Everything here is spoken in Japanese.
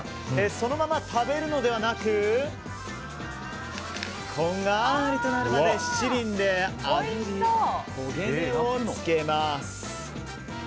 そのまま食べるのではなくこんがりとなるまで七輪であぶり、焦げ目をつけます。